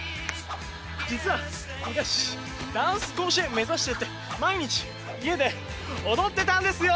実は昔ダンス甲子園目指してて毎日家で踊ってたんですよ。